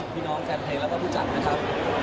พี่น้องแฟนเพลงแล้วก็ผู้จัดนะครับ